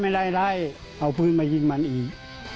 ไม่ใช่ไม่ไล่ไล่เอาพื้นมายิงมันอีก